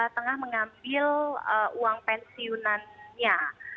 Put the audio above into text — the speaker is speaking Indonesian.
tengah mengambil uang pensiunannya